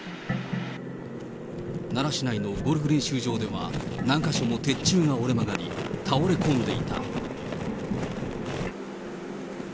奈良市内のゴルフ練習場では、何か所も鉄柱が折れ曲がり、倒れ込んでいた。